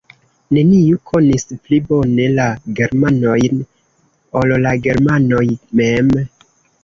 Neniu konis pli bone la germanojn, ol la germanoj mem.